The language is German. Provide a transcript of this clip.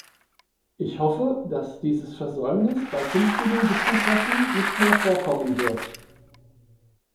Ich hoffe, dass dieses Versäumnis bei künftigen Gipfeltreffen nicht mehr vorkommen wird.